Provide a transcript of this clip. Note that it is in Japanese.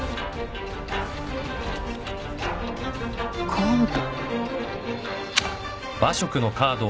カード？